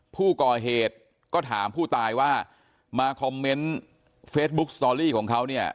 ผู้ก่อเหตุก็ถามผู้ตายว่ามาคอมเมนต์เฟซบุ๊กสตอรี่ของเขาเนี่ย